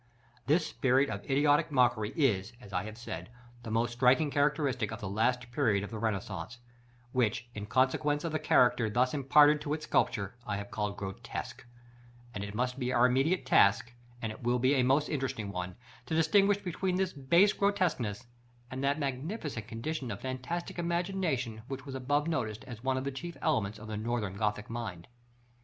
This spirit of idiotic mockery is, as I have said, the most striking characteristic of the last period of the Renaissance, which, in consequence of the character thus imparted to its sculpture, I have called grotesque; but it must be our immediate task, and it will be a most interesting one, to distinguish between this base grotesqueness, and that magnificent condition of fantastic imagination, which was above noticed as one of the chief elements of the Northern Gothic mind.